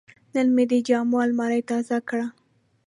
نن مې د جامو الماري تازه کړه.